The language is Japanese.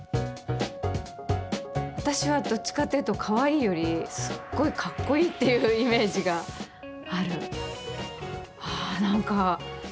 私は、どっちかっていうとかわいいよりすっごいかっこいいっていうイメージがある。